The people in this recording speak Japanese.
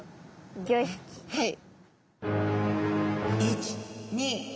はい。